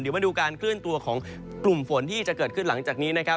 เดี๋ยวมาดูการเคลื่อนตัวของกลุ่มฝนที่จะเกิดขึ้นหลังจากนี้นะครับ